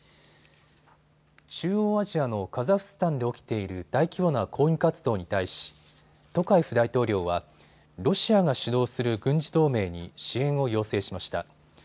中央アジアのカザフスタンで起きている大規模な抗議活動に対し、トカエフ大統領はロシアが主導する軍事同盟に支援を要請しました。